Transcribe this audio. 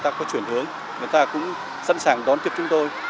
bắt đầu người ta có chuyển hướng người ta cũng sẵn sàng đón tiếp chúng tôi